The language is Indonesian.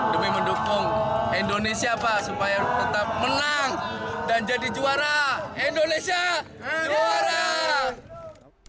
demi mendukung indonesia pak supaya tetap menang dan jadi juara indonesia juara